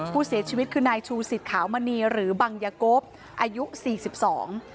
ผู้เสียชีวิตคือนายชูสิตขาวมณีหรือบังยกบอายุสี่สิบสอง